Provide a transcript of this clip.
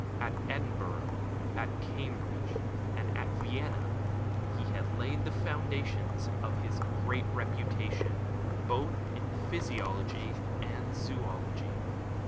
At Edinburgh, at Cambridge, and at Vienna he had laid the foundations of his great reputation, both in physiology and in zoology.